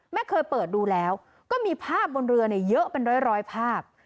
เคยเปิดดูแล้วก็มีภาพบนเรือเยอะเป็นร้อยภาพ